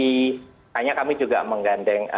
makanya kami juga menggandeng